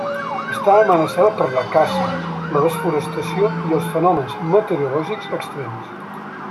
Està amenaçada per la caça, la desforestació i els fenòmens meteorològics extrems.